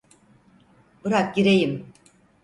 Bırak gireyim!